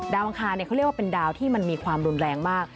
อังคารเขาเรียกว่าเป็นดาวที่มันมีความรุนแรงมาก